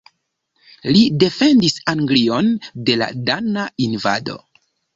Li defendis Anglion de la dana invado.